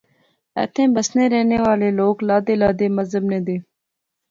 ایتھیں بسنے رہنے والے لوک لادے لادے مذہب نے دے